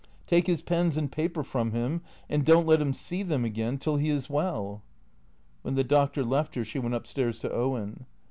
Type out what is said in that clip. Take his pens and paper from him and don't let him see them again till he is well." When the Doctor left her she went up stairs to Owen.